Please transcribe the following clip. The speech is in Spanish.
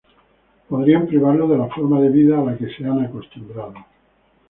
podrían privarlos de la forma de vida a la que se han acostumbrado